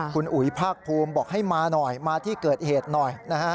คุณอุ๋ยภาคภูมิบอกให้มาหน่อยมาที่เกิดเหตุหน่อยนะฮะ